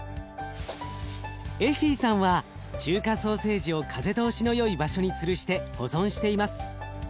エフィさんは中華ソーセージを風通しのよい場所につるして保存しています。